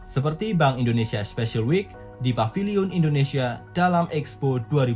seperti bank indonesia special week di pavilion indonesia dalam expo dua ribu dua puluh